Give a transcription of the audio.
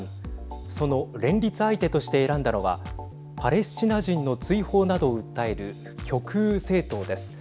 その連立相手として選んだのはパレスチナ人の追放などを訴える極右政党です。